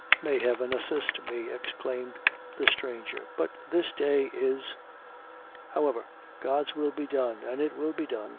"May Heaven assist me!" exclaimed the stranger, "but this day is however, God's will be done, as it will be done!